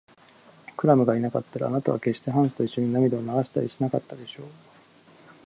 クラムがいなかったら、あなたはけっしてハンスといっしょに涙を流したりしなかったでしょう。